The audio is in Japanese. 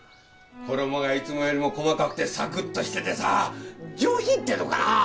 衣がいつもよりも細かくてサクッとしててさ上品っていうのかな？